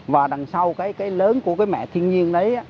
và đằng sau cái lớn của cái mẹ thiên nhiên đấy